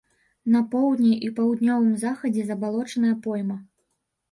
На поўдні і паўднёвым захадзе забалочаная пойма.